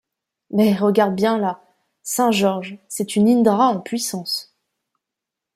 Bé regarde bien là : saint Georges, c’est une Indra en puissance.